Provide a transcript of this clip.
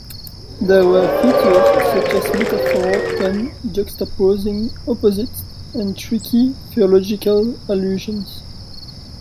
There were features such as metaphor, pun, juxtaposing opposites and tricky theological allusions.